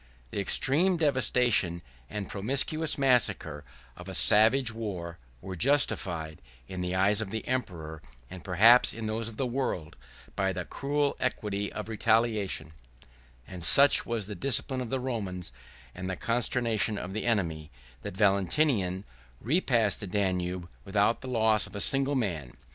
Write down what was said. The extreme devastation, and promiscuous massacre, of a savage war, were justified, in the eyes of the emperor, and perhaps in those of the world, by the cruel equity of retaliation: 153 and such was the discipline of the Romans, and the consternation of the enemy, that Valentinian repassed the Danube without the loss of a single man.